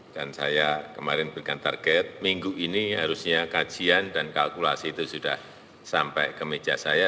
saya kemarin berikan target minggu ini harusnya kajian dan kalkulasi itu sudah sampai ke meja saya